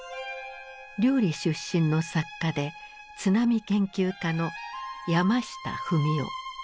綾里出身の作家で津波研究家の山下文男。